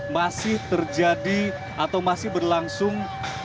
masih terjadi atau masih berlangsung